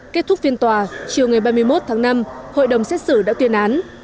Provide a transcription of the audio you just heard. kết thúc phiên tòa chiều ngày ba mươi một tháng năm hội đồng xét xử đã tuyên án